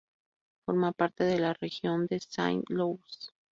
Forma parte de la región de Saint-Louis.